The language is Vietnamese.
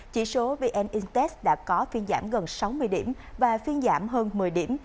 chỉ số vn intex đã có phiên giảm gần sáu mươi điểm và phiên giảm hơn một mươi điểm